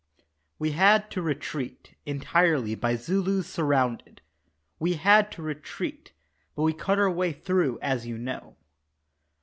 _ We had to retreat, entirely by Zulus surrounded We had to retreat, but we cut our way through as you know.